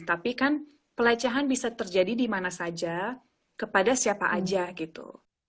tapi kan pelecehan bisa terjadi dimana saja kepada siapa aja gitu